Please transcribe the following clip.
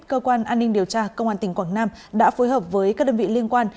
cơ quan an ninh điều tra công an tỉnh quảng nam đã phối hợp với các đơn vị liên quan